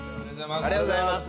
ありがとうございます。